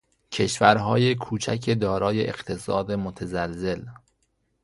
کشورهای کوچک دارای اقتصاد متزلزل